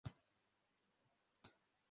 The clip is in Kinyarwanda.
itsinda ryabana bahagaze hanze yinyubako